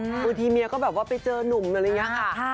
บางทีเมียก็แบบว่าไปเจอนุ่มอะไรอย่างนี้ค่ะ